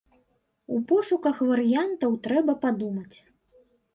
У пошуках варыянтаў трэба падумаць.